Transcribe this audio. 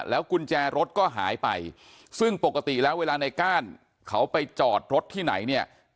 กุญแจรถก็หายไปซึ่งปกติแล้วเวลาในก้านเขาไปจอดรถที่ไหนเนี่ย